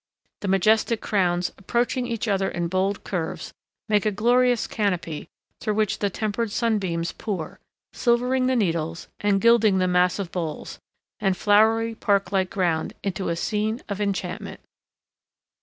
The majestic crowns, approaching each other in bold curves, make a glorious canopy through which the tempered sunbeams pour, silvering the needles, and gilding the massive boles, and flowery, park like ground, into a scene of enchantment.